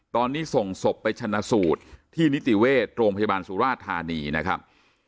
ตอนนี้ส่งศพไปชนะสูตรที่นิติเวชโรงพยาบาลสุราชธานีนะครับ